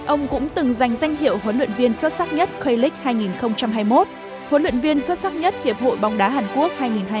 ông cũng từng giành danh hiệu huấn luyện viên xuất sắc nhất k leage hai nghìn hai mươi một huấn luyện viên xuất sắc nhất hiệp hội bóng đá hàn quốc hai nghìn hai mươi ba